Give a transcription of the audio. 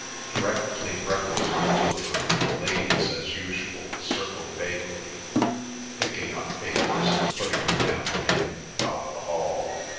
Directly breakfast was over, the ladies as usual circled vaguely, picking up papers and putting them down again, about the hall.